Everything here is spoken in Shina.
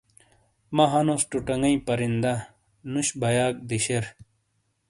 مہ ہَنوس ٹُوٹنگئی پرندہ، نُش بَیاک دِیشیر۔